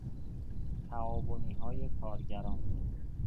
تعاونیهای کارگران